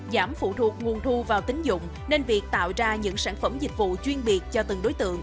giảm phụ thuộc nguồn thu vào tính dụng nên việc tạo ra những sản phẩm dịch vụ chuyên biệt cho từng đối tượng